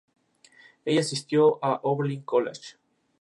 Entre las aves, se ven grandes números de gangas y alondras.